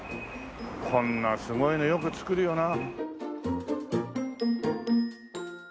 こんなすごいのよく造るよな。